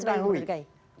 sepanjang yang saya ketahui